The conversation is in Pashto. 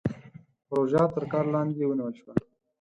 پروژه تر کار لاندې ونيول شوه.